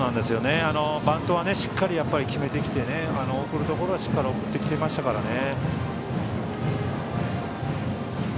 バントはしっかり決めてきて送るところは、しっかり送ってきてましたからね。